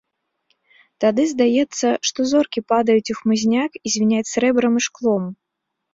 Тады здаецца, што зоркі падаюць у хмызняк і звіняць срэбрам і шклом.